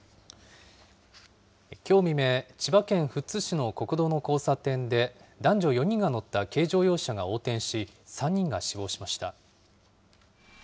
きょう未明、千葉県富津市の国道の交差点で、男女４人が乗った軽乗用車が横転し、３人が死亡しました。